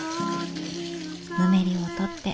ぬめりを取って。